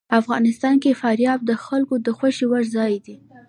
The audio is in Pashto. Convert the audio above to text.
افغانستان کې فاریاب د خلکو د خوښې وړ ځای دی.